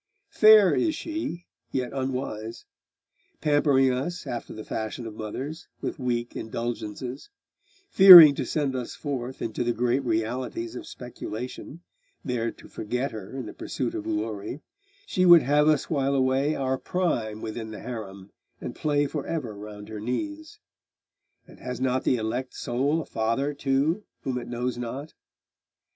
Fair is she, yet unwise; pampering us, after the fashion of mothers, with weak indulgences; fearing to send us forth into the great realities of speculation, there to forget her in the pursuit of glory, she would have us while away our prime within the harem, and play for ever round her knees. And has not the elect soul a father, too, whom it knows not?